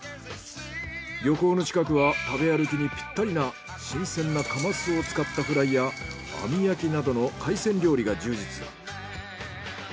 漁港の近くは食べ歩きにぴったりな新鮮なカマスを使ったフライや網焼きなどの海鮮料理が充実。